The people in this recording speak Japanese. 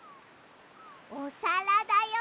おさらだよ！